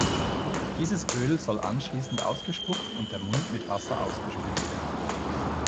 Dieses Öl soll anschließend ausgespuckt und der Mund mit Wasser ausgespült werden.